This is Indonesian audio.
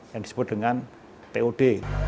yang disebut dengan pud